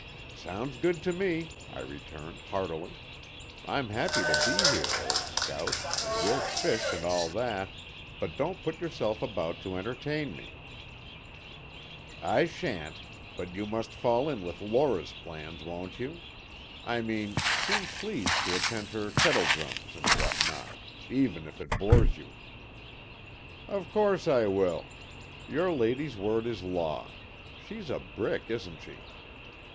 "Sounds good to me," I returned, heartily. "I'm happy to be here, old scout, and we'll fish and all that, but don't put yourself about to entertain me." "I sha'n't; but you must fall in with Lora's plans, won't you? I mean, seem pleased to attend her kettledrums and whatnot, even if it bores you." "Of course I will. Your lady's word is law. She's a brick, isn't she?"